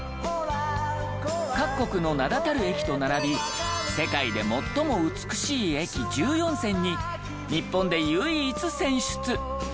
各国の名だたる駅と並び世界で最も美しい駅１４選に日本で唯一選出。